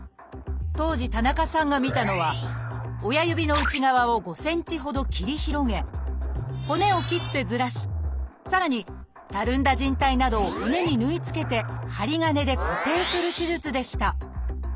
当時田中さんが見たのは親指の内側を５センチほど切り広げ骨を切ってずらしさらにたるんだじん帯などを骨に縫い付けて針金で固定する手術でした。